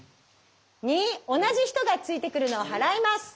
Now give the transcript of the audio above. ２同じ人が突いてくるのを払います。